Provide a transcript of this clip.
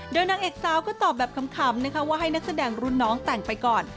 โดยนางเอกสาวก็ตอบแบบขำนะคะว่าให้นักแสดงรุ่นน้องแต่งไปก่อน